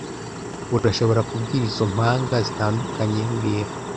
Urashobora kubwira izo mpanga zitandukanye mbwira